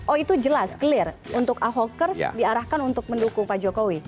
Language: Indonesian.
oh itu jelas clear untuk ahokers diarahkan untuk mendukung pak jokowi